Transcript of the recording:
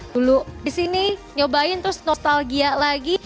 dulu di sini nyobain terus nostalgia lagi